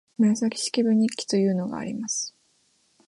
「紫式部日記」というのがあります